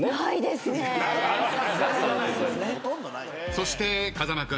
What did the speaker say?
そして風間君。